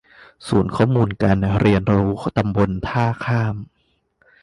ศูนย์ข้อมูลการเรียนรู้ตำบลท่าข้าม